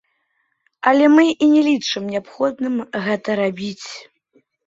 Але мы і не лічым неабходным гэта рабіць.